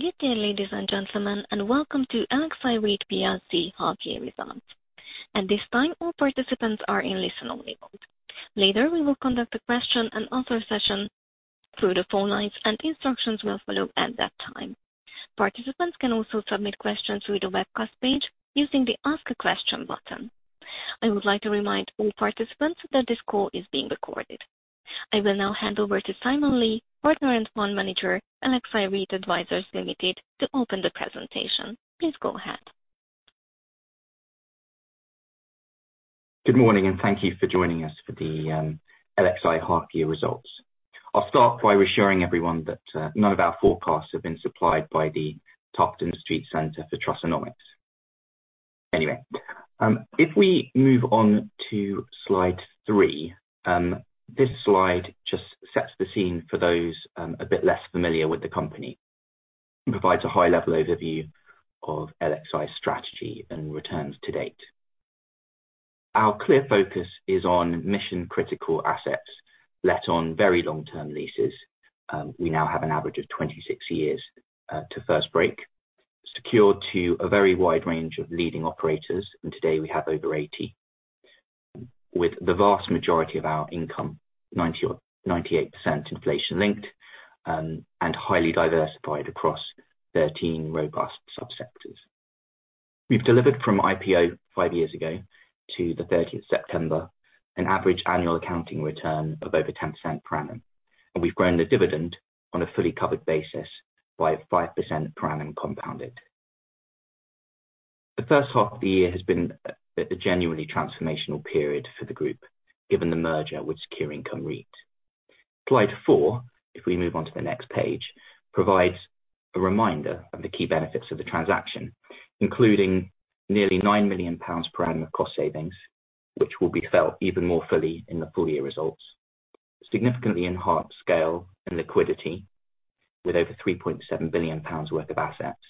Good day, ladies and gentlemen, and welcome to LXi REIT plc half year results. At this time, all participants are in listen-only mode. Later, we will conduct a question-and-answer session through the phone lines, and instructions will follow at that time. Participants can also submit questions through the webcast page using the Ask-a-Question button. I would like to remind all participants that this call is being recorded. I will now hand over to Simon Lee, Partner and Fund Manager, LXi REIT Advisors Limited, to open the presentation. Please go ahead. Good morning. Thank you for joining us for the LXi half year results. I'll start by reassuring everyone that none of our forecasts have been supplied by the Tarleton Street Center for Trustonomics. Anyway, if we move on to slide three, this slide just sets the scene for those a bit less familiar with the company and provides a high-level overview of LXi's strategy and returns-to-date. Our clear focus is on mission-critical assets let on very long-term leases. We now have an average of 26 years to first break, secured to a very wide range of leading operators, and today we have over 80, with the vast majority of our income, 98% inflation-linked, and highly diversified across 13 robust subsectors. We've delivered from IPO five years ago to the 30th September, an average annual accounting return of over 10% per annum. We've grown the dividend on a fully-covered basis by 5% per annum compounded. The first half of the year has been a genuinely transformational period for the group, given the merger with Secure Income REIT. Slide four, if we move on to the next page, provides a reminder of the key benefits of the transaction, including nearly 9 million pounds per annum of cost savings, which will be felt even more fully in the full year results. Significantly enhanced scale and liquidity with over 3.7 billion pounds worth of assets,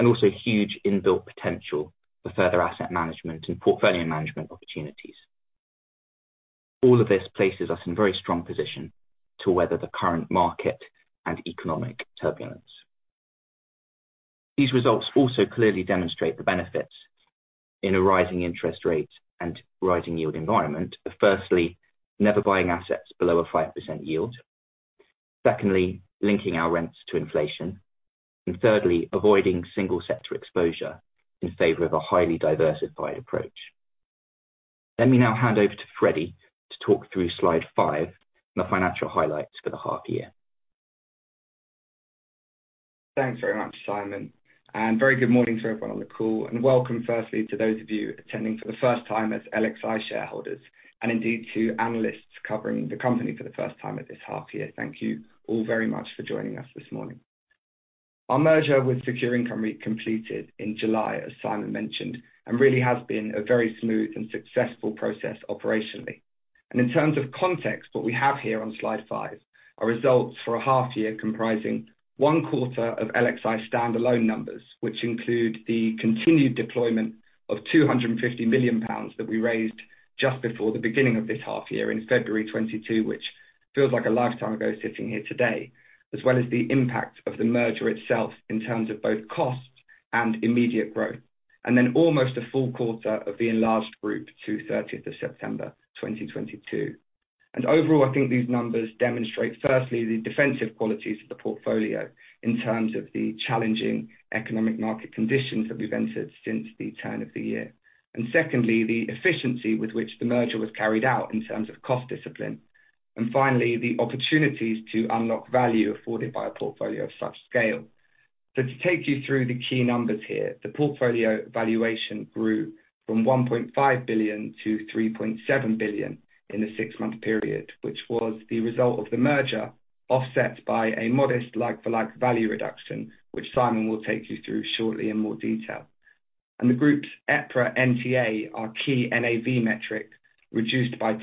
also huge inbuilt potential for further asset management and portfolio management opportunities. All of this places us in very strong position to weather the current market and economic turbulence. These results also clearly demonstrate the benefits in a rising interest rate and rising yield environment of firstly, never buying assets below a 5% yield. Secondly, linking our rents to inflation. Thirdly, avoiding single-sector exposure in favor of a highly diversified approach. Let me now hand over to Freddie to talk through slide five, the financial highlights for the half year. Thanks very much, Simon, and very good morning to everyone on the call. Welcome, firstly, to those of you attending for the first time as LXi shareholders, and indeed to analysts covering the company for the first time at this half year. Thank you all very much for joining us this morning. Our merger with Secure Income REIT completed in July, as Simon mentioned, and really has been a very smooth and successful process operationally. In terms of context, what we have here on slide five are results for a half year comprising one quarter of LXi standalone numbers, which include the continued deployment of 250 million pounds that we raised just before the beginning of this half year in February 2022, which feels like a lifetime ago sitting here today, as well as the impact of the merger itself in terms of both costs and immediate growth. Then almost a full quarter of the enlarged group to 30th of September 2022. Overall, I think these numbers demonstrate, firstly, the defensive qualities of the portfolio in terms of the challenging economic market conditions that we've entered since the turn of the year. Secondly, the efficiency with which the merger was carried out in terms of cost discipline. Finally, the opportunities to unlock value afforded by a portfolio of such scale. To take you through the key numbers here, the portfolio valuation grew from 1.5 billion to 3.7 billion in the six-month period, which was the result of the merger offset by a modest like-for-like value reduction, which Simon will take you through shortly in more detail. The group's EPRA NTA, our key NAV metric, reduced by 2%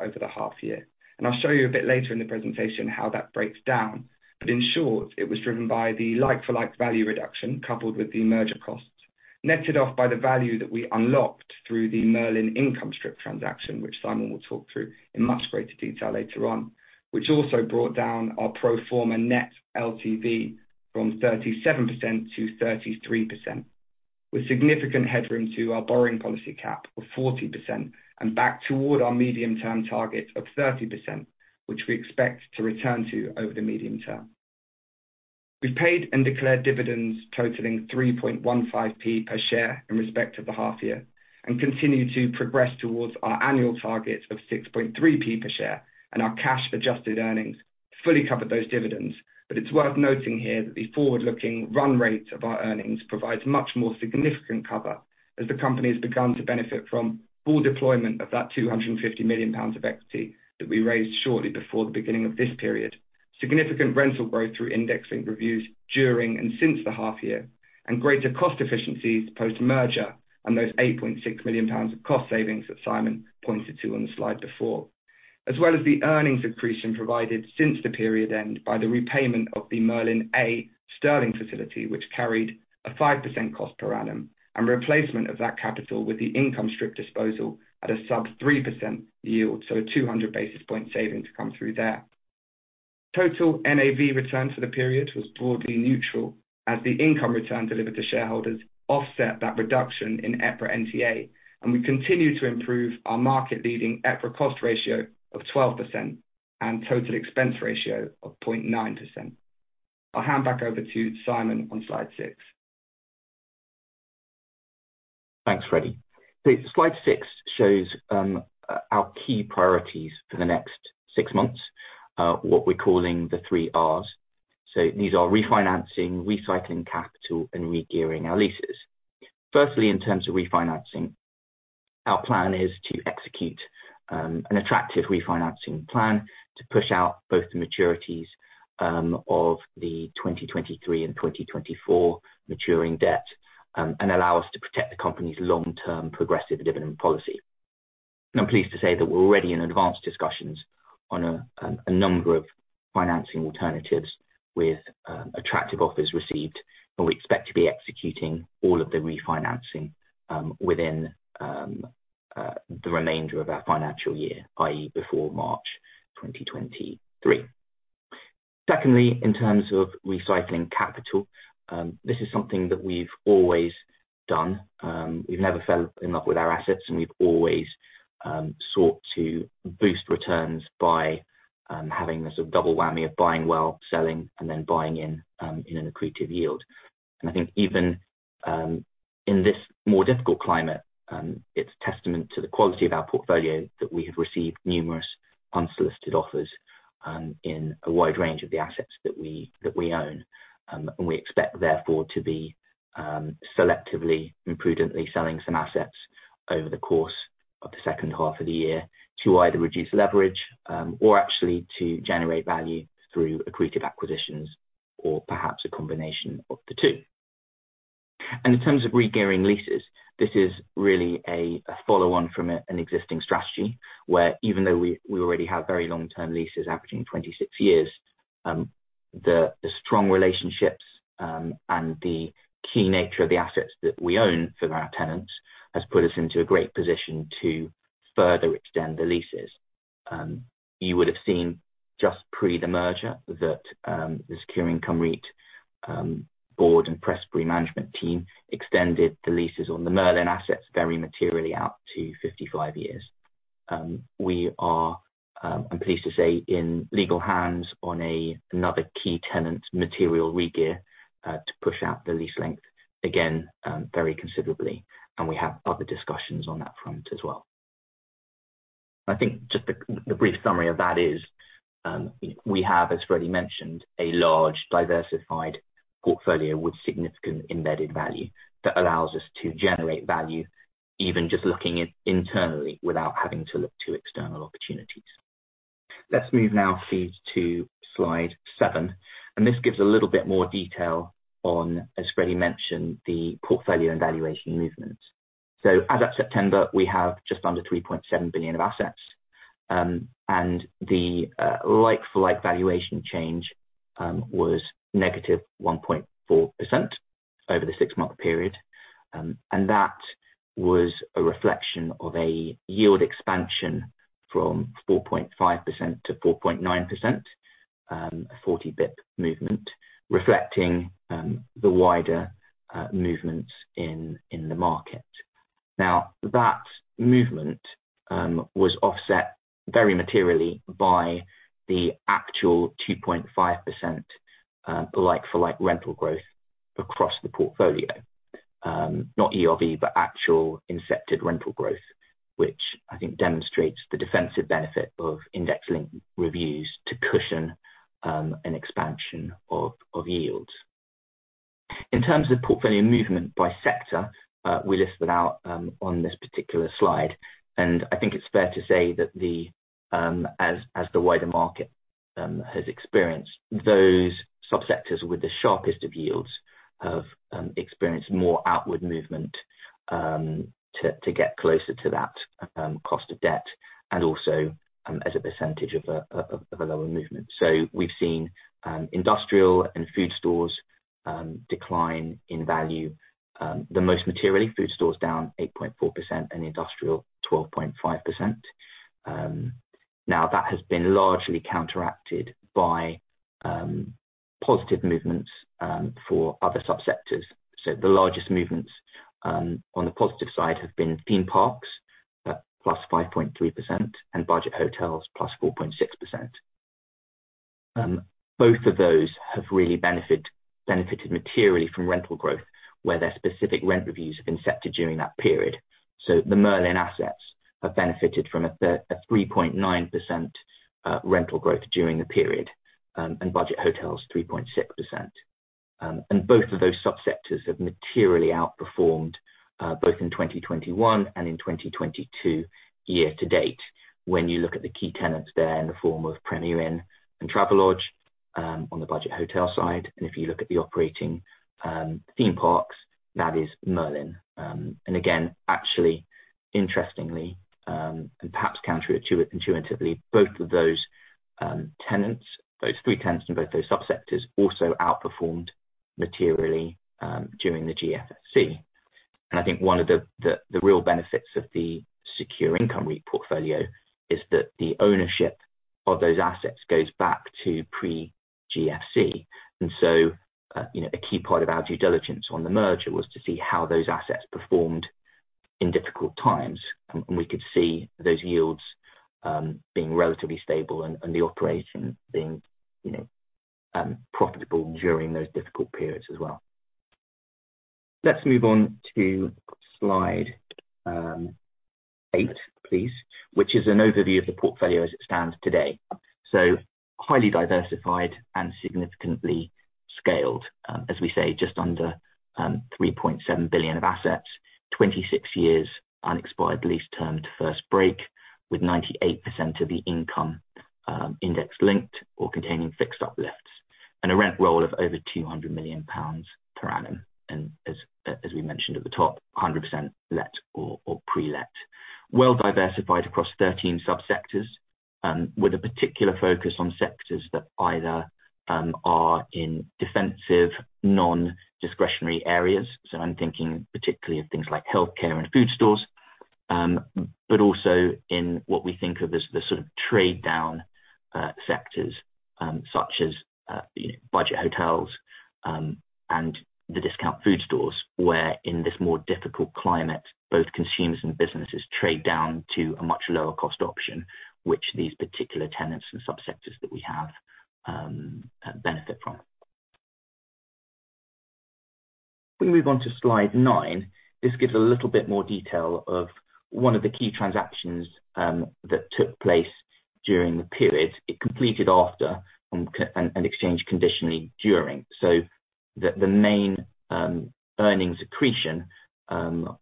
over the half year. In short, it was driven by the like-for-like value reduction coupled with the merger costs, netted off by the value that we unlocked through the Merlin Income Strip transaction, which Simon will talk through in much greater detail later on. Which also brought down our pro forma net LTV from 37% to 33%, with significant headroom to our borrowing policy cap of 40% and back toward our medium-term target of 30%, which we expect to return to over the medium term. We've paid and declared dividends totaling 3.15p per share in respect of the half year and continue to progress towards our annual target of 6.3p per share and our cash adjusted earnings fully covered those dividends. It's worth noting here that the forward-looking run rate of our earnings provides much more significant cover as the company has begun to benefit from full deployment of that 250 million pounds of equity that we raised shortly before the beginning of this period. Significant rental growth through indexing reviews during and since the half year and greater cost efficiencies post-merger and those 8.6 million pounds of cost savings that Simon pointed to on the slide before. The earnings accretion provided since the period end by the repayment of the Merlin A sterling facility, which carried a 5% cost per annum and replacement of that capital with the income strip disposal at a sub 3% yield, so a 200 basis point saving to come through there. Total NAV return for the period was broadly neutral as the income return delivered to shareholders offset that reduction in EPRA NTA, and we continue to improve our market-leading EPRA cost ratio of 12% and total expense ratio of 0.9%. I'll hand back over to Simon on slide six. Thanks, Freddie. Slide six shows our key priorities for the next six months, what we're calling the three Rs. These are refinancing, recycling capital, and regearing our leases. Firstly, in terms of refinancing, our plan is to execute an attractive refinancing plan to push out both the maturities of the 2023 and 2024 maturing debt, and allow us to protect the company's long-term progressive dividend policy. I'm pleased to say that we're already in advanced discussions on a number of financing alternatives with attractive offers received, and we expect to be executing all of the refinancing within the remainder of our financial year, i.e., before March 2023. Secondly, in terms of recycling capital, this is something that we've always done. We've never fell in love with our assets. We've always sought to boost returns by having this double whammy of buying well, selling, and then buying in an accretive yield. I think even in this more difficult climate, it's testament to the quality of our portfolio that we have received numerous unsolicited offers in a wide range of the assets that we own. We expect, therefore, to be selectively and prudently selling some assets over the course of the second half of the year to either reduce leverage, or actually to generate value through accretive acquisitions or perhaps a combination of the two. In terms of regearing leases, this is really a follow-on from an existing strategy, where even though we already have very long-term leases averaging 26 years, the strong relationships, and the key nature of the assets that we own for our tenants has put us into a great position to further extend the leases. You would have seen just pre the merger that, the Secure Income REIT, board and Prestbury management team extended the leases on the Merlin assets very materially out to 55 years. We are, I'm pleased to say, in legal hands on another key tenant's material regear, to push out the lease length again, very considerably, and we have other discussions on that front as well. I think just the brief summary of that is, we have, as Freddie mentioned, a large diversified portfolio with significant embedded value that allows us to generate value even just looking internally without having to look to external opportunities. Let's move now please to slide seven. This gives a little bit more detail on, as Freddie mentioned, the portfolio and valuation movements. As of September, we have just under 3.7 billion of assets. The like-for-like valuation change was -1.4% over the six-month period. That was a reflection of a yield expansion from 4.5% to 4.9%, a 40 basis point movement reflecting the wider movements in the market. That movement was offset very materially by the actual 2.5% like-for-like rental growth across the portfolio. Not ERV, but actual incepted rental growth, which I think demonstrates the defensive benefit of index link reviews to cushion an expansion of yields. In terms of portfolio movement by sector, we listed out on this particular slide, and I think it's fair to say that the— as the wider market has experienced, those subsectors with the sharpest of yields have experienced more outward movement to get closer to that cost of debt and also as a percentage of a lower movement. We've seen industrial and food stores decline in value the most materially food stores down 8.4% and industrial 12.5%. That has been largely counteracted by positive movements for other subsectors. The largest movements on the positive side have been theme parks at +5.3% and budget hotels +4.6%. Both of those have really benefited materially from rental growth, where their specific rent reviews have incepted during that period. The Merlin assets have benefited from a 3.9% rental growth during the period, and budget hotels 3.6%. Both of those subsectors have materially outperformed both in 2021 and in 2022 year-to-date when you look at the key tenants there in the form of Premier Inn and Travelodge on the budget hotel side. If you look at the operating theme parks, that is Merlin. Again, actually interestingly, and perhaps intuitively, both of those tenants, those three tenants in both those subsectors also outperformed materially during the GFC. I think one of the real benefits of the Secure Income REIT portfolio is that the ownership of those assets goes back to pre-GFC. You know, a key part of our due diligence on the merger was to see how those assets performed in difficult times, and we could see those yields being relatively stable and the operation being, you know, profitable during those difficult periods as well. Let's move on to slide eight please, which is an overview of the portfolio as it stands today. Highly diversified and significantly scaled. As we say, just under 3.7 billion of assets, 26 years unexpired lease term to first break, with 98% of the income index-linked or containing fixed uplifts, and a rent roll of over 200 million pounds per annum. As we mentioned at the top, 100% let or pre-let. Well diversified across 13 subsectors, with a particular focus on sectors that either are in defensive, non-discretionary areas. I'm thinking particularly of things like healthcare and food stores, but also in what we think of as the sort of trade down sectors, such as, you know, budget hotels and the discount food stores. Where in this more difficult climate, both consumers and businesses trade down to a much lower cost option, which these particular tenants and subsectors that we have benefit from. If we move on to slide nine, this gives a little bit more detail of one of the key transactions that took place during the period. It completed after and exchanged conditionally during. The main earnings accretion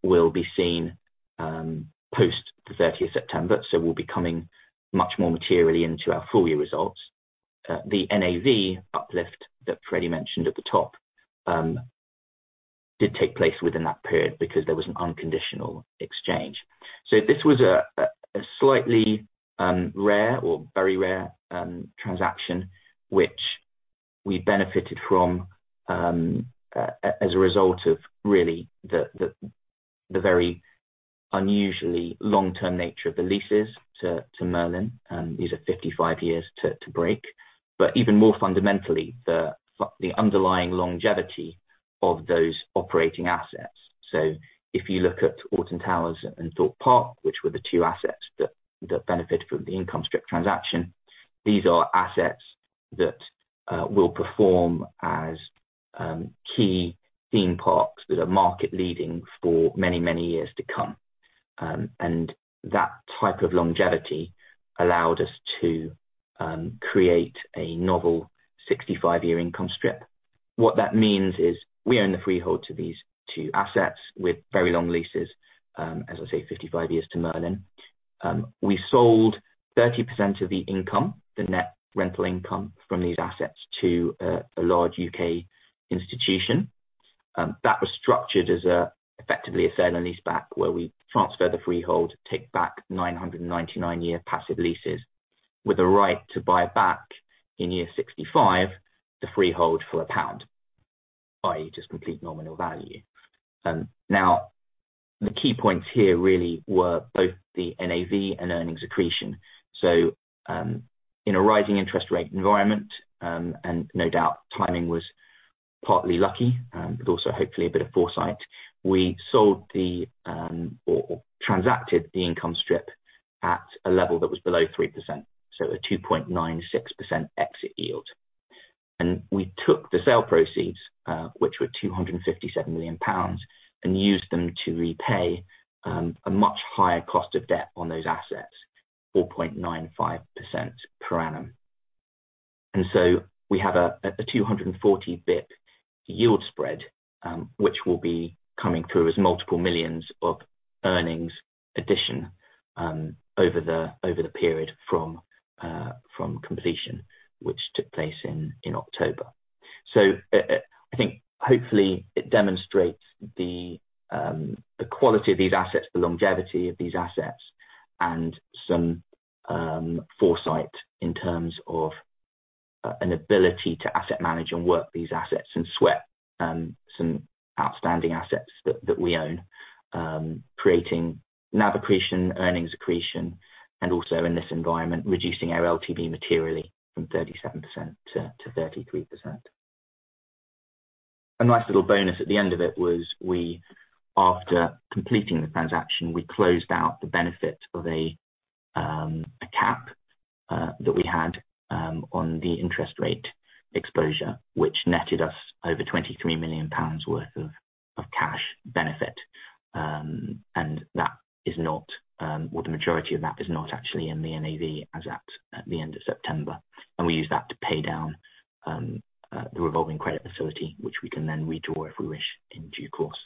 will be seen post the 30th September, so will be coming much more materially into our full year results. The NAV uplift that Freddie mentioned at the top did take place within that period because there was an unconditional exchange. This was a slightly rare or very rare transaction which we benefited from as a result of the very unusually long-term nature of the leases to Merlin. These are 55 years to break. Even more fundamentally the underlying longevity of those operating assets. If you look at Alton Towers and Thorpe Park, which were the two assets that benefited from the income strip transaction, these are assets that will perform as key theme parks that are market-leading for many years to come. That type of longevity allowed us to create a novel 65-year income strip. What that means is we own the freehold to these two assets with very long leases, as I say, 55 years to Merlin. We sold 30% of the income, the net rental income from these assets to a large U.K. institution. That was structured as effectively a sale and leaseback, where we transfer the freehold, take back 999-year passive leases with a right to buy back in year 65 the freehold for GBP 1, i.e., just complete nominal value. Now the key points here really were both the NAV and earnings accretion. In a rising interest rate environment, and no doubt timing was partly lucky, but also hopefully a bit of foresight. We sold the or transacted the income strip at a level that was below 3%, so a 2.96% exit yield. We took the sale proceeds, which were 257 million pounds, and used them to repay a much higher cost of debt on those assets, 4.95% per annum. We have a 240 basis points yield spread, which will be coming through as multiple millions of earnings addition over the period from completion, which took place in October. I think hopefully it demonstrates the quality of these assets, the longevity of these assets and some foresight in terms of an ability to asset manage and work these assets and sweat some outstanding assets that we own. Creating NAV accretion, earnings accretion, and also in this environment, reducing our LTV materially from 37% to 33%. A nice little bonus at the end of it was we, after completing the transaction, we closed out the benefit of a cap that we had on the interest rate exposure, which netted us over 23 million pounds worth of cash benefit. That is not or the majority of that is not actually in the NAV as at the end of September. We use that to pay down the revolving credit facility, which we can then redraw if we wish in due course.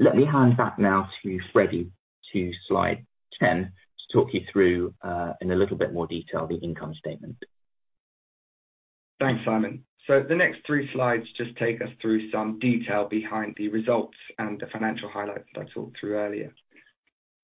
Let me hand back now to Freddie to slide 10 to talk you through in a little bit more detail, the income statement. Thanks, Simon. The next three slides just take us through some detail behind the results and the financial highlights that I talked through earlier.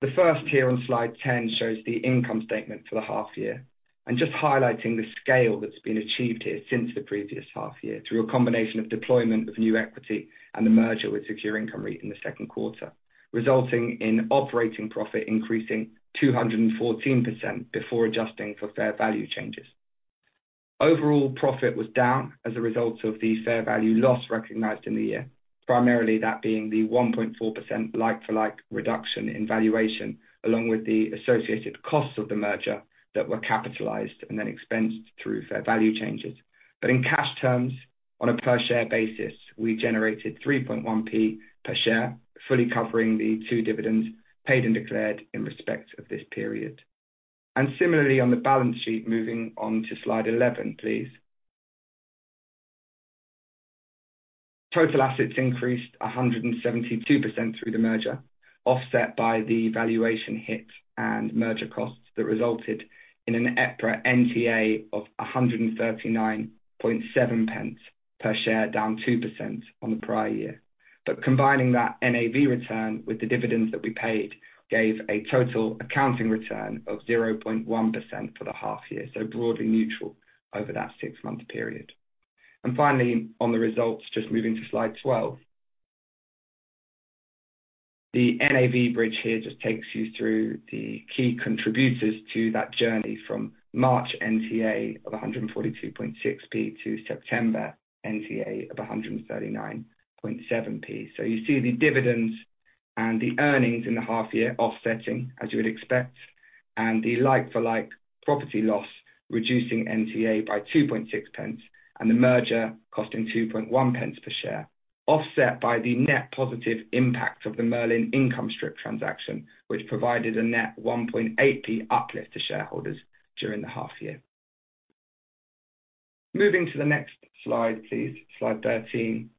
The first here on slide 10 shows the income statement for the half year. Just highlighting the scale that's been achieved here since the previous half year, through a combination of deployment of new equity and the merger with Secure Income REIT in the second quarter, resulting in operating profit increasing 214% before adjusting for fair value changes. Overall profit was down as a result of the fair value loss recognized in the year, primarily that being the 1.4% like-for-like reduction in valuation, along with the associated costs of the merger that were capitalized and then expensed through fair value changes. In cash terms, on a per share basis, we generated 3.1p per share, fully covering the two dividends paid and declared in respect of this period. Similarly, on the balance sheet, moving on to slide 11, please. Total assets increased 172% through the merger, offset by the valuation hit and merger costs that resulted in an EPRA NTA of 139.7 pence per share, down 2% on the prior year. Combining that NAV return with the dividends that we paid gave a total accounting return of 0.1% for the half year, so broadly neutral over that six-month period. Finally, on the results, just moving to slide 12. The NAV bridge here just takes you through the key contributors to that journey from March NTA of 142.6p to September NTA of 139.7p. You see the dividends and the earnings in the half year offsetting, as you would expect, and the like-for-like property loss, reducing NTA by 2.6 pence, and the merger costing 2.1 pence per share, offset by the net positive impact of the Merlin income strip transaction, which provided a net 1.8p uplift to shareholders during the half year. Moving to the next slide, please. Slide 13.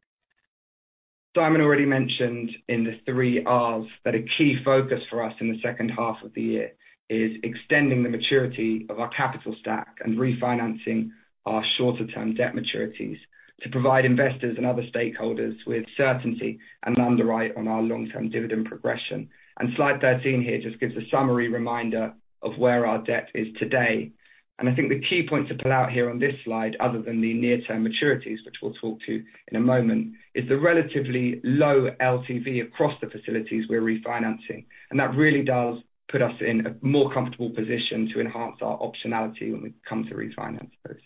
Simon already mentioned in the three Rs that a key focus for us in the second half of the year is extending the maturity of our capital stack and refinancing our shorter-term debt maturities to provide investors and other stakeholders with certainty and underwrite on our long-term dividend progression. Slide 13 here just gives a summary reminder of where our debt is today. I think the key point to pull out here on this slide, other than the near-term maturities, which we'll talk to in a moment, is the relatively low LTV across the facilities we're refinancing. That really does put us in a more comfortable position to enhance our optionality when we come to refinance those.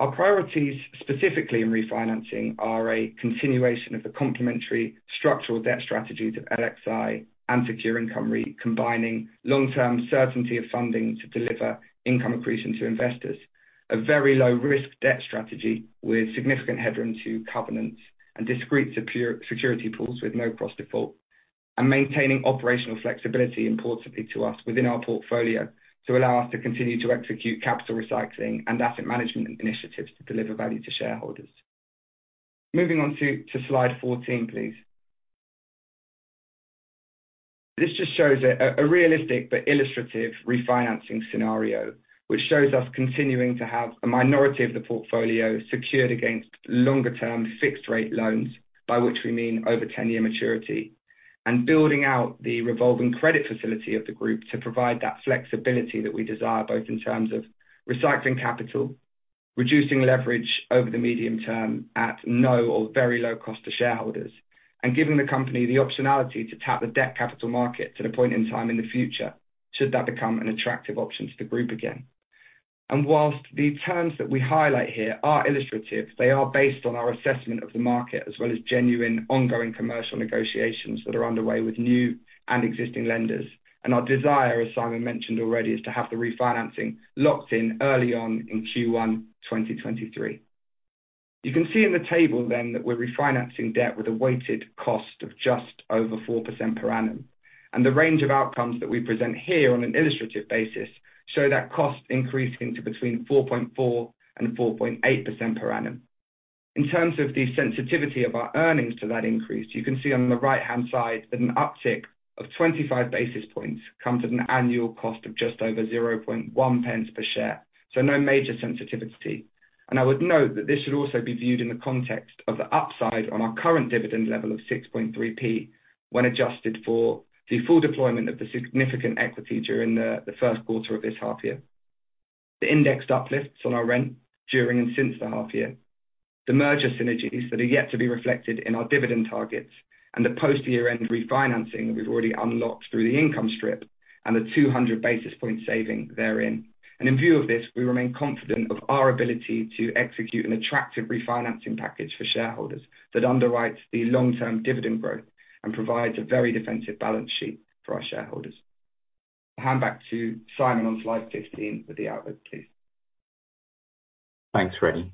Our priorities, specifically in refinancing, are a continuation of the complementary structural debt strategies of LXi and Secure Income REIT, combining long-term certainty of funding to deliver income accretion to investors. A very low risk debt strategy with significant headroom to covenants and discrete secure-security pools with no cross default. Maintaining operational flexibility importantly to us within our portfolio to allow us to continue to execute capital recycling and asset management initiatives to deliver value to shareholders. Moving on to slide 14, please. This just shows a realistic but illustrative refinancing scenario, which shows us continuing to have a minority of the portfolio secured against longer term fixed rate loans, by which we mean over 10-year maturity. Building out the revolving credit facility of the group to provide that flexibility that we desire, both in terms of recycling capital, reducing leverage over the medium term at no or very low cost to shareholders, and giving the company the optionality to tap the debt capital market at a point in time in the future should that become an attractive option to the group again. Whilst the terms that we highlight here are illustrative, they are based on our assessment of the market as well as genuine ongoing commercial negotiations that are underway with new and existing lenders. Our desire, as Simon mentioned already, is to have the refinancing locked in early on in Q1, 2023. You can see in the table then that we're refinancing debt with a weighted cost of just over 4% per annum. The range of outcomes that we present here on an illustrative basis show that cost increasing to between 4.4% and 4.8% per annum. In terms of the sensitivity of our earnings to that increase, you can see on the right-hand side that an uptick of 25 basis points comes at an annual cost of just over 0.01 pence per share. No major sensitivity. I would note that this should also be viewed in the context of the upside on our current dividend level of 6.3p when adjusted for the full deployment of the significant equity during the first quarter of this half year. The indexed uplifts on our rent during and since the half year, the merger synergies that are yet to be reflected in our dividend targets and the post-year-end refinancing that we've already unlocked through the income strip and the 200 basis point saving therein. In view of this, we remain confident of our ability to execute an attractive refinancing package for shareholders that underwrites the long-term dividend growth and provides a very defensive balance sheet for our shareholders. I'll hand back to Simon on slide 15 for the outlook, please. Thanks, Freddie.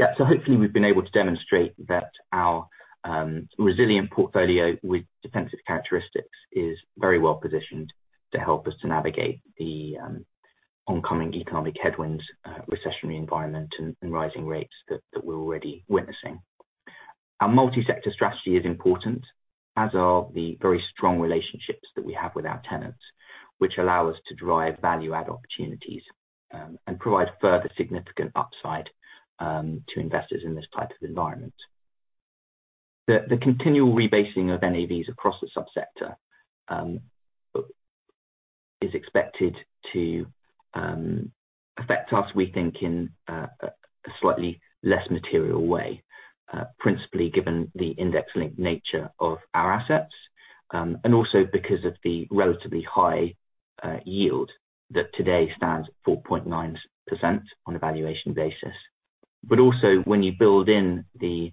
Hopefully we've been able to demonstrate that our resilient portfolio with defensive characteristics is very well positioned to help us to navigate the oncoming economic headwinds, recessionary environment and rising rates that we're already witnessing. Our multi-sector strategy is important, as are the very strong relationships that we have with our tenants, which allow us to drive value-add opportunities and provide further significant upside to investors in this type of environment. The continual rebasing of NAVs across the subsector is expected to affect us, we think, in a slightly less material way, principally given the index-linked nature of our assets, and also because of the relatively high yield that today stands at 4.9% on a valuation basis. Also when you build in the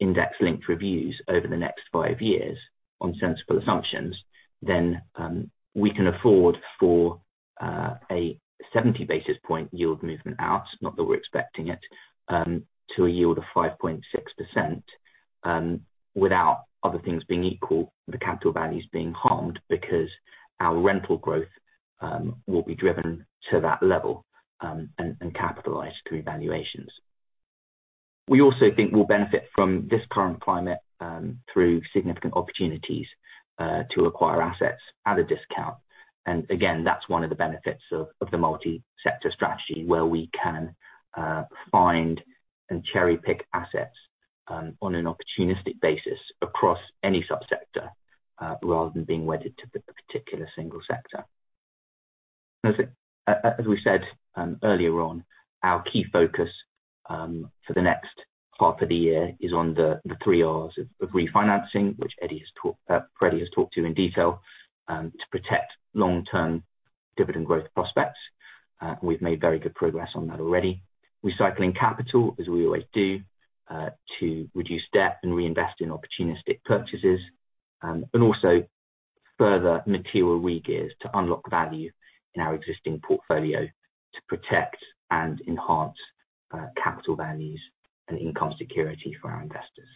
index-linked reviews over the next five years on sensible assumptions, then we can afford for a 70 basis point yield movement out, not that we're expecting it, to a yield of 5.6%, without other things being equal, the capital values being harmed because our rental growth will be driven to that level and capitalized through valuations. We also think we'll benefit from this current climate through significant opportunities to acquire assets at a discount. Again, that's one of the benefits of the multi-sector strategy where we can find and cherry-pick assets on an opportunistic basis across any subsector rather than being wedded to the particular single sector. As we said earlier on, our key focus for the next half of the year is on the three Rs of refinancing, which Eddie has talked— Freddie has talked to in detail, to protect long-term dividend growth prospects. We've made very good progress on that already. Recycling capital, as we always do, to reduce debt and reinvest in opportunistic purchases, and also further material regears to unlock value in our existing portfolio to protect and enhance capital values and income security for our investors.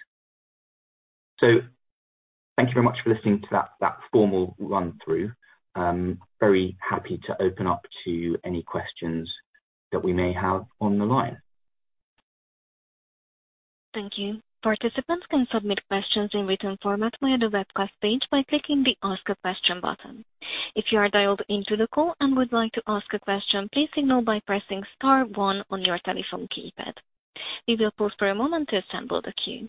Thank you very much for listening to that formal run-through. Very happy to open up to any questions that we may have on the line. Thank you. Participants can submit questions in written format via the webcast page by clicking the Ask-a-Question button. If you are dialed into the call and would like to ask a question, please signal by pressing star one on your telephone keypad. We will pause for a moment to assemble the queue.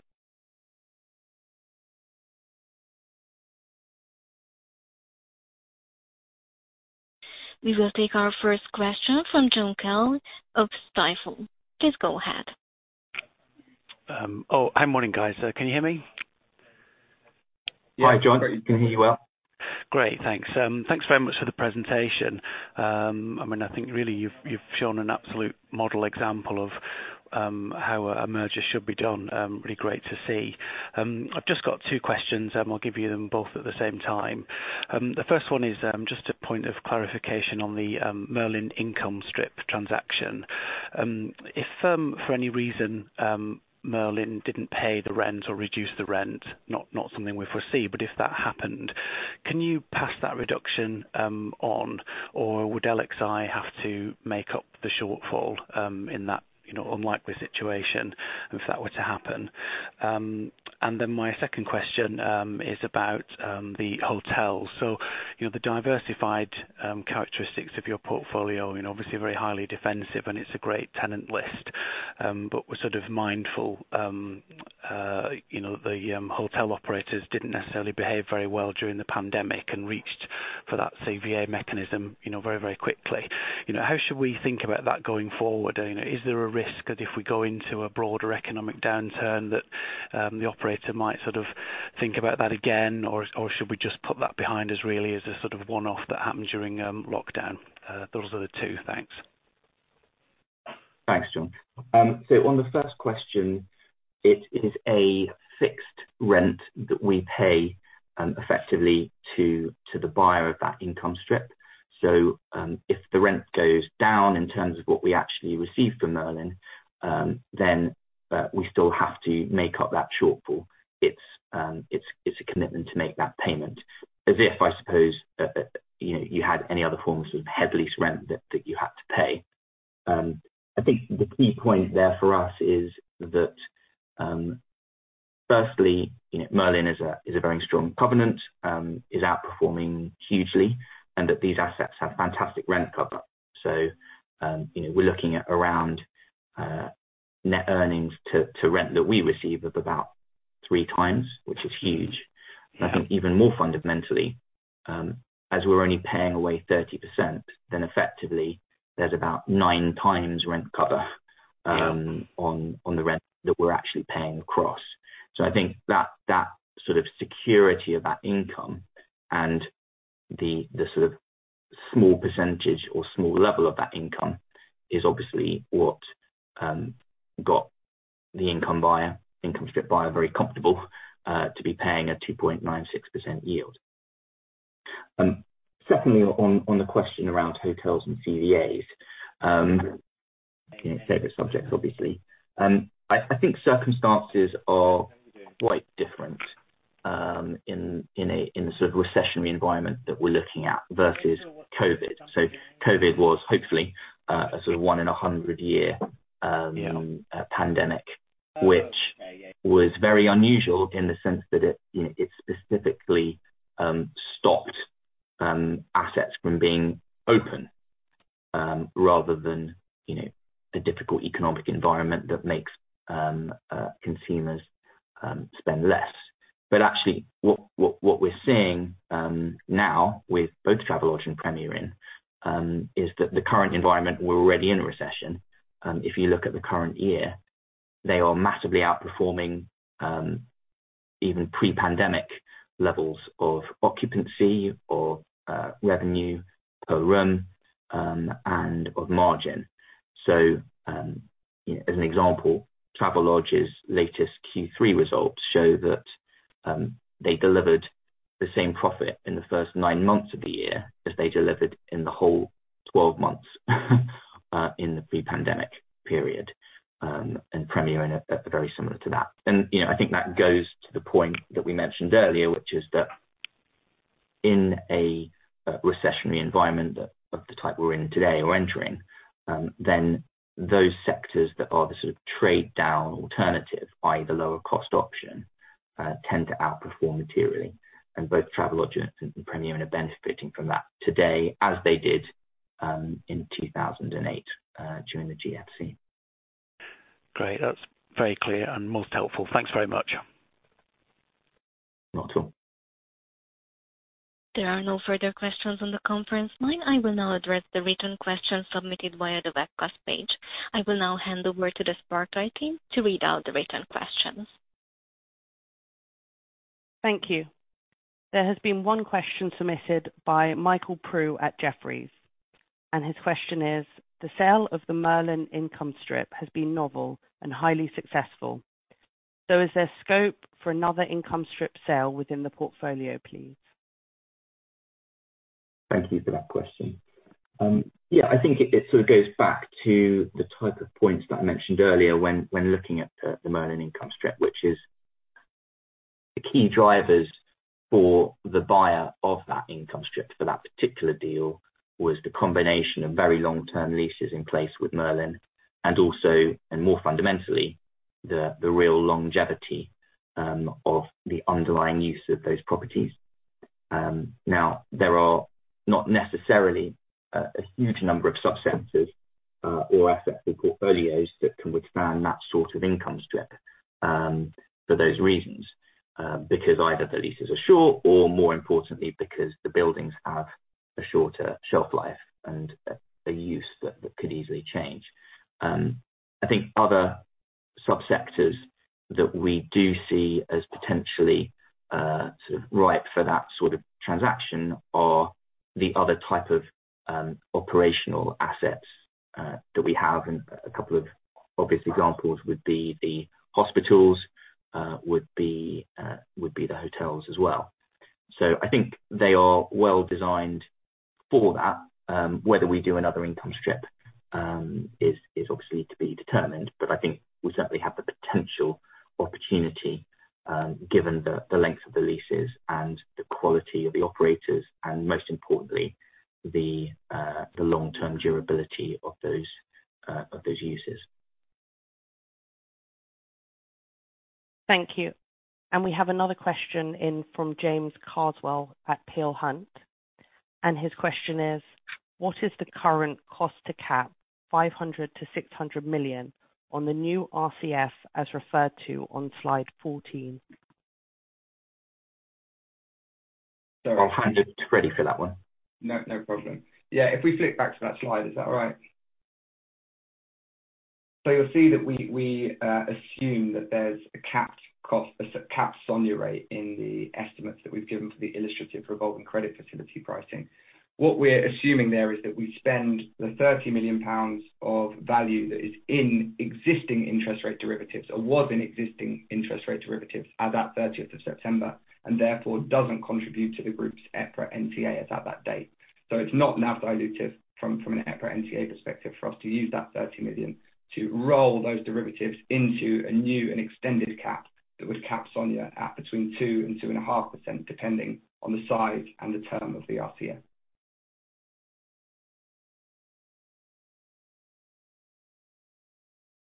We will take our first question from John Cahill of Stifel. Please go ahead. Oh, hi morning, guys. Can you hear me? Hi, John. We can hear you well. Great. Thanks. Thanks very much for the presentation. I mean, I think really you've shown an absolute model example of how a merger should be done. Really great to see. I've just got two questions, and I'll give you them both at the same time. The first one is just a point of clarification on the Merlin Income Strip transaction. If for any reason, Merlin didn't pay the rent or reduce the rent, not something we foresee, but if that happened, can you pass that reduction on, or would LXi have to make up the shortfall in that, you know, unlikely situation if that were to happen? My second question is about the hotels. You know, the diversified characteristics of your portfolio and obviously very highly defensive, and it's a great tenant list. We're sort of mindful, you know, the hotel operators didn't necessarily behave very well during the pandemic and reached for that CVA mechanism, you know, very, very quickly. You know, how should we think about that going forward? You know, is there a risk that if we go into a broader economic downturn that the operator might sort of think about that again? Should we just put that behind us really as a sort of one-off that happened during lockdown? Those are the two. Thanks. Thanks, John. On the first question, it is a fixed rent that we pay effectively to the buyer of that income strip. If the rent goes down in terms of what we actually receive from Merlin, we still have to make up that shortfall. It's a commitment to make that payment as if, I suppose, you know, you had any other form of sort of head lease rent that you had to pay. I think the key point there for us is that firstly, you know, Merlin is a very strong covenant, is outperforming hugely, and that these assets have fantastic rent cover. you know, we're looking at around net earnings to rent that we receive of about 3x, which is huge. Even more fundamentally, as we're only paying away 30%, effectively there's about 9x rent cover on the rent that we're actually paying across. That sort of security of that income and the sort of small percentage or small level of that income is obviously what got the income buyer, income strip buyer, very comfortable to be paying a 2.96% yield. On the question around hotels and CVAs, you know, favorite subjects obviously. I think circumstances are quite different in a, in the sort of recessionary environment that we're looking at versus COVID. COVID was hopefully, a sort of 1 in a 100 year pandemic which was very unusual in the sense that it, you know, it specifically stopped assets from being open. Rather than, you know, a difficult economic environment that makes consumers spend less. Actually what we're seeing now with both Travelodge and Premier Inn is that the current environment we're already in a recession. If you look at the current year, they are massively outperforming even pre-pandemic levels of occupancy or revenue per room and of margin. As an example, Travelodge's latest Q3 results show that they delivered the same profit in the first nine months of the year as they delivered in the whole 12 months in the pre-pandemic period. Premier Inn are very similar to that. You know, I think that goes to the point that we mentioned earlier, which is that in a recessionary environment of the type we're in today or entering, then those sectors that are the sort of trade down alternative by the lower cost option tend to outperform materially. Both Travelodge and Premier Inn are benefiting from that today as they did in 2008 during the GFC. Great. That's very clear and most helpful. Thanks very much. There are no further questions on the conference line. I will now address the written questions submitted via the webcast page. I will now hand over to the SparkLive team to read out the written questions. Thank you. There has been one question submitted by Michael Proulx at Jefferies, and his question is: The sale of the Merlin Income Strip has been novel and highly successful. Is there scope for another income strip sale within the portfolio, please? Thank you for that question. Yeah, I think it sort of goes back to the type of points that I mentioned earlier when looking at the Merlin Income Strip, which is the key drivers for the buyer of that income strip for that particular deal was the combination of very long-term leases in place with Merlin and also, and more fundamentally, the real longevity of the underlying use of those properties. Now there are not necessarily a huge number of subsectors or asset portfolios that can withstand that sort of income strip for those reasons, because either the leases are short or more importantly, because the buildings have a shorter shelf life and a use that could easily change. I think other subsectors that we do see as potentially sort of ripe for that sort of transaction are the other type of operational assets that we have. A couple of obvious examples would be the hospitals, would be the hotels as well. I think they are well designed for that. Whether we do another income strip is obviously to be determined, but I think we certainly have the potential opportunity given the length of the leases and the quality of the operators and most importantly the long-term durability of those uses. Thank you. We have another question in from James Carswell at Peel Hunt, and his question is: What is the current cost to cap 500 million-600 million on the new RCF as referred to on slide 14? I'll hand it to Freddie for that one. No problem. Yeah, if we flick back to that slide, is that all right? You'll see that we assume that there's a capped cost, a capped SONIA rate in the estimates that we've given for the illustrative revolving credit facility pricing. What we're assuming there is that we spend the 30 million pounds of value that is in existing interest rate derivatives or was in existing interest rate derivatives at that 30th of September, and therefore doesn't contribute to the group's EPRA NTA as at that date. It's not NAV dilutive from an EPRA NTA perspective for us to use that 30 million to roll those derivatives into a new and extended cap that would cap SONIA at between 2% and 2.5%, depending on the size and the term of the RCF.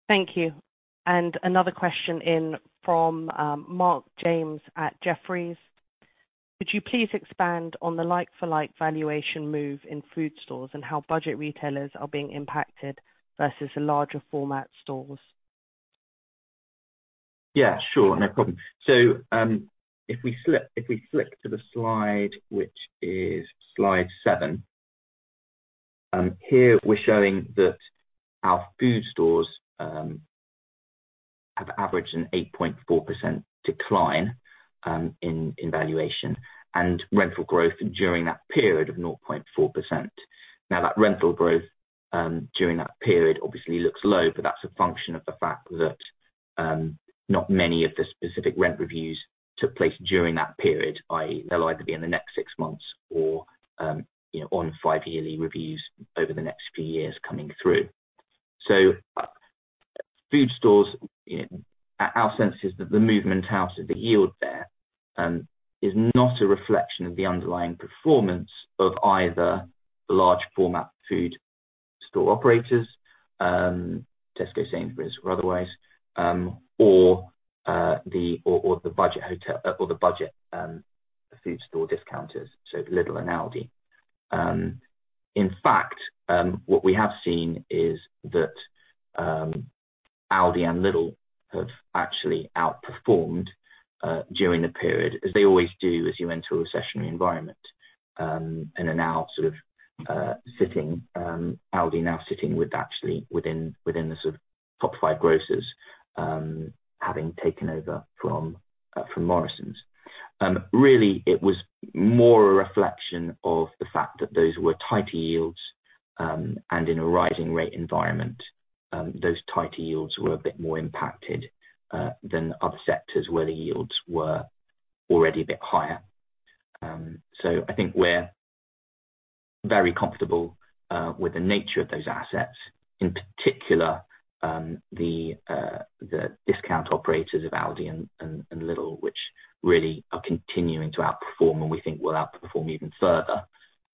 Thank you. Another question in from Mark James at Jefferies. Could you please expand on the like-for-like valuation move in food stores and how budget retailers are being impacted versus the larger format stores? Yeah, sure. No problem. If we flick to the slide, which is slide seven. Here we're showing that our food stores have averaged an 8.4% decline in valuation and rental growth during that period of 0.4%. That rental growth during that period obviously looks low, but that's a function of the fact that not many of the specific rent reviews took place during that period, i.e., they'll either be in the next six months or, you know, on five yearly reviews over the next few years coming through. Food stores, you know, our sense is that the movement out of the yield there is not a reflection of the underlying performance of either the large format food store operators, Tesco, Sainsbury's or otherwise, or the food store discounters, so Lidl and Aldi. In fact, what we have seen is that Aldi and Lidl have actually outperformed during the period as they always do as you enter a recessionary environment, and are now sort of sitting, Aldi now sitting with actually within the sort of top five grocers, having taken over from Morrisons. Really it was more a reflection of the fact that those were tighter yields, and in a rising rate environment, those tighter yields were a bit more impacted than other sectors where the yields were already a bit higher. I think we're very comfortable with the nature of those assets, in particular, the discount operators of Aldi and Lidl, which really are continuing to outperform and we think will outperform even further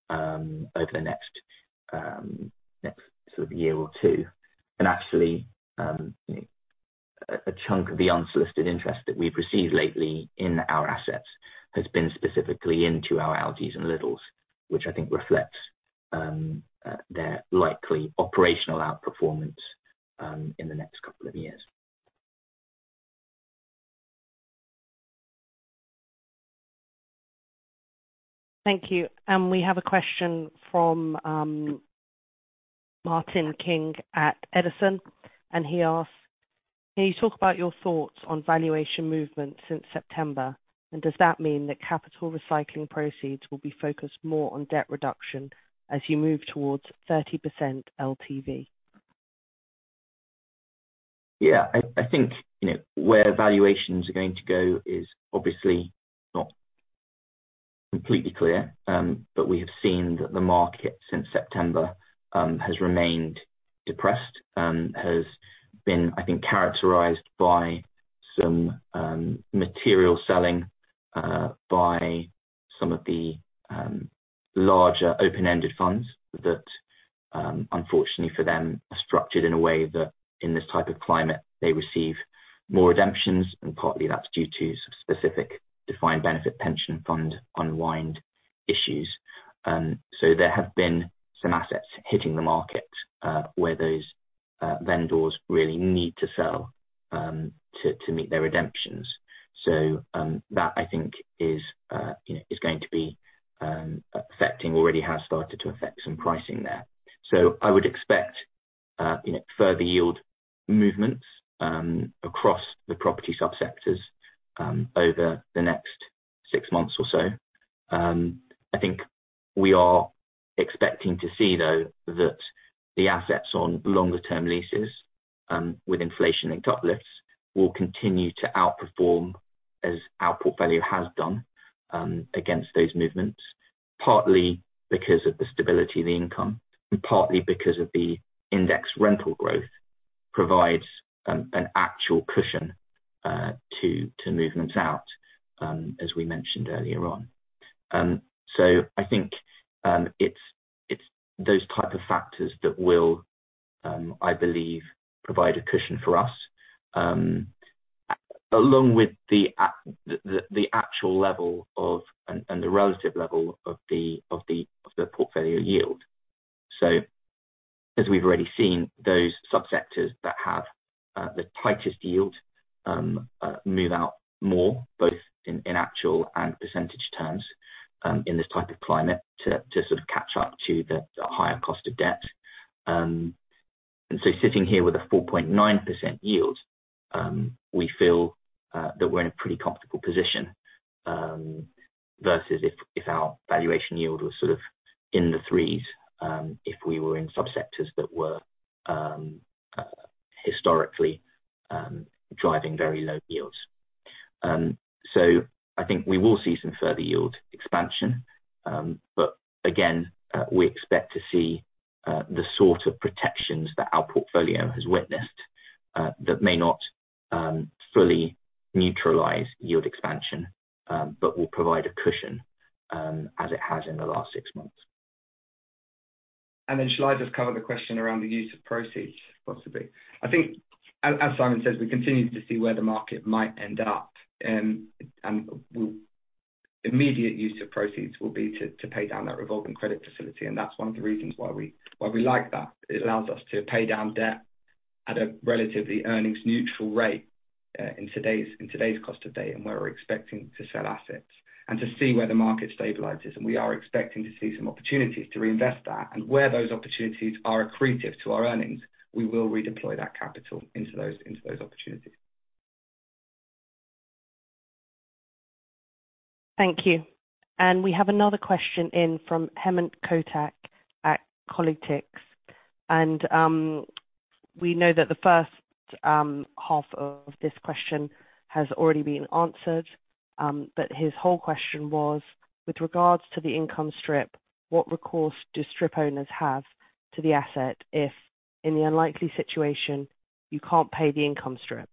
over the next sort of year or two. Actually, a chunk of the unsolicited interest that we've received lately in our assets has been specifically into our Aldis and Lidls, which I think reflects their likely operational outperformance in the next couple of years. Thank you. We have a question from Martyn King at Edison, and he asks, can you talk about your thoughts on valuation movement since September? Does that mean that capital recycling proceeds will be focused more on debt reduction as you move towards 30% LTV? Yeah. I think, you know, where valuations are going to go is obviously not completely clear. But we have seen that the market since September has remained depressed and has been, I think, characterized by some material selling by some of the larger open-ended funds that, unfortunately for them, are structured in a way that in this type of climate, they receive more redemptions, and partly that's due to some specific defined benefit pension fund unwind issues. There have been some assets hitting the market where those vendors really need to sell to meet their redemptions. That I think is, you know, is going to be affecting already, has started to affect some pricing there. I would expect, you know further yield movements across the property subsectors over the next six months or so. I think we are expecting to see though that the assets on longer term leases with inflation and top lifts will continue to outperform as our portfolio has done against those movements, partly because of the stability of the income, and partly because of the index rental growth provides an actual cushion to movements out as we mentioned earlier on. I think it's those type of factors that will I believe provide a cushion for us along with the actual level of and the relative level of the portfolio yield. As we've already seen, those subsectors that have the tightest yield move out more both in actual and percentage terms, in this type of climate to sort of catch up to the higher cost of debt. Sitting here with a 4.9% yield, we feel that we're in a pretty comfortable position versus if our valuation yield was sort of in the 3s, if we were in subsectors that were historically driving very low yields. I think we will see some further yield expansion. Again, we expect to see the sort of protections that our portfolio has witnessed that may not fully neutralize yield expansion, but will provide a cushion as it has in the last six months. Shall I just cover the question around the use of proceeds, possibly? I think as Simon says, we continue to see where the market might end up. Immediate use of proceeds will be to pay down that revolving credit facility. That's one of the reasons why we like that. It allows us to pay down debt at a relatively earnings neutral rate in today's cost-to-date, and where we're expecting to sell assets. To see where the market stabilizes, and we are expecting to see some opportunities to reinvest that. Where those opportunities are accretive to our earnings, we will redeploy that capital into those opportunities. Thank you. We have another question in from Hemant Kotak at Kolytics. We know that the first half of this question has already been answered, but his whole question was: With regards to the income strip, what recourse do strip owners have to the asset if in the unlikely situation you can't pay the income strip?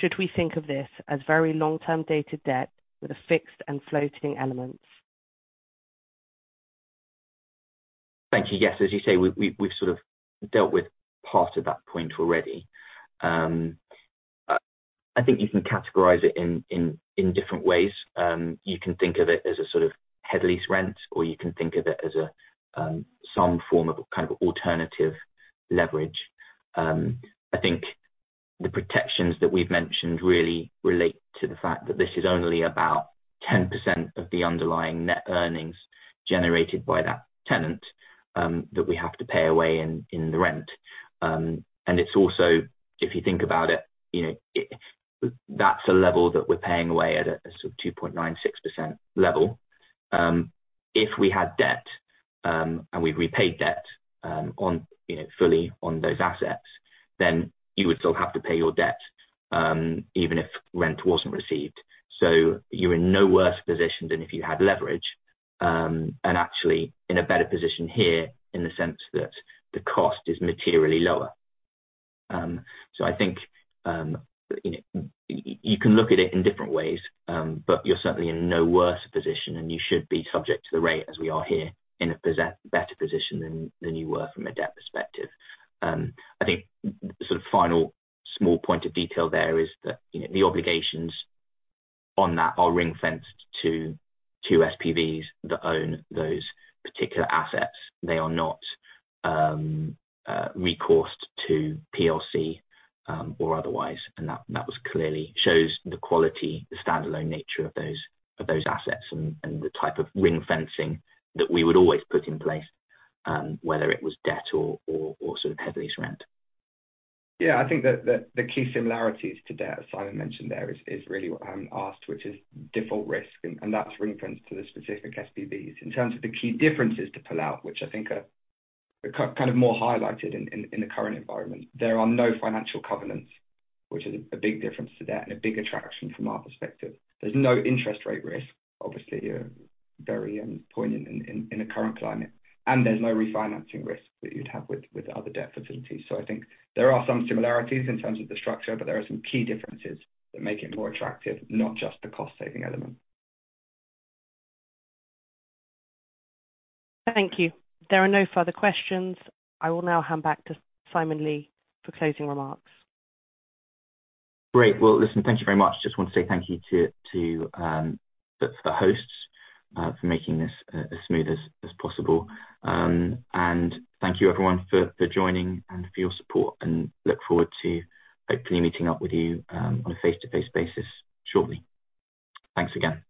Should we think of this as very long-term dated debt with a fixed and floating elements? Thank you. Yes. As you say, we've sort of dealt with part of that point already. I think you can categorize it in different ways. You can think of it as a sort of head lease rent, or you can think of it as some form of kind of alternative leverage. I think the protections that we've mentioned really relate to the fact that this is only about 10% of the underlying net earnings generated by that tenant that we have to pay away in the rent. It's also, if you think about it, you know, that's a level that we're paying away at a sort of 2.96% level. If we had debt, and we've repaid debt, on, you know, fully on those assets, then you would still have to pay your debt, even if rent wasn't received. You're in no worse position than if you had leverage, and actually in a better position here in the sense that the cost is materially lower. I think, you know, you can look at it in different ways, but you're certainly in no worse a position, and you should be subject to the rate as we are here in a better position than you were from a debt perspective. I think sort of final small point of detail there is that, you know, the obligations on that are ring-fenced to SPVs that own those particular assets. They are not recoursed to PLC or otherwise, and that was clearly shows the quality, the standalone nature of those assets and the type of ring-fencing that we would always put in place, whether it was debt or sort of head lease rent. Yeah. I think that the key similarities to debt, as Simon mentioned there, is really what I'm asked, which is default risk, and that's ring-fenced to the specific SPVs. In terms of the key differences to pull out, which I think are kind of more highlighted in the current environment. There are no financial covenants, which is a big difference to that and a big attraction from our perspective. There's no interest rate risk. Obviously, you're very poignant in the current climate. There's no refinancing risk that you'd have with other debt facilities. I think there are some similarities in terms of the structure, but there are some key differences that make it more attractive, not just the cost saving element. Thank you. There are no further questions. I will now hand back to Simon Lee for closing remarks. Great. Well, listen, thank you very much. Just want to say thank you to the hosts for making this as smooth as possible. Thank you everyone for joining and for your support, and look forward to hopefully meeting up with you on a face-to-face basis shortly. Thanks again.